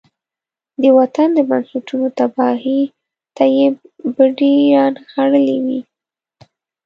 د وطن د بنسټونو تباهۍ ته يې بډې را نغاړلې وي.